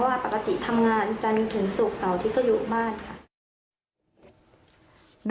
เพราะว่าปกติทำงานจนถึงศูกษาที่ก็อยู่บ้านค่ะ